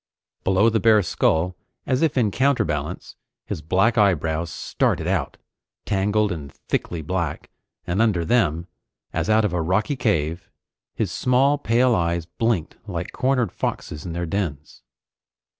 Below the bare skull, as if in counterbalance, his black eyebrows started out, tangled and thickly black, and under them, as out of a rocky cave, his small pale eyes blinked like cornered foxes in their dens.